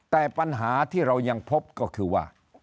แต่ปัญหาที่เรายังพบก็คือว่า